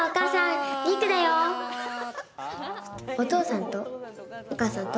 お父さん、お母さん！